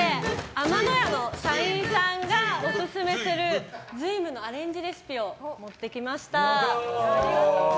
天乃屋の社員さんがオススメする瑞夢のアレンジレシピを持ってきました。